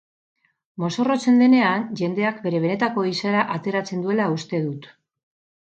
Mozorrotzen denean jendeak bere benetako izaera ateratzen duela uste dut.